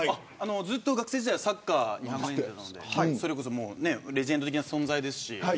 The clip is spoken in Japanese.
ずっと学生時代サッカーをやっていたのでレジェンド的な存在です。